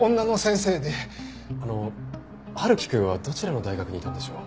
あの春樹くんはどちらの大学にいたんでしょう？